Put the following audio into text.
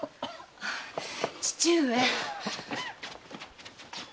父上。